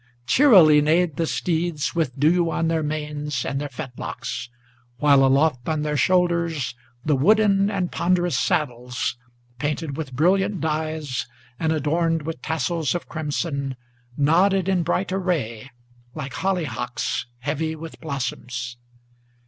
Cheerily neighed the steeds, with dew on their manes and their fetlocks, While aloft on their shoulders the wooden and ponderous saddles, Painted with brilliant dyes, and adorned with tassels of crimson, Nodded in bright array, like hollyhocks heavy with blossoms.